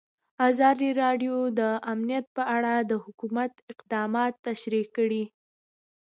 ازادي راډیو د امنیت په اړه د حکومت اقدامات تشریح کړي.